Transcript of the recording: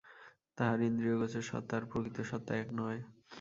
তাহার ইন্দ্রিয়গোচর সত্তা আর প্রকৃত সত্তা এক নয়।